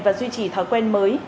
và duy trì thói quen mới